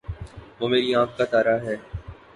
وہ میری آنکھ کا تارا ہے